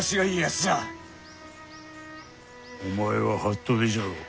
お前は服部じゃろう。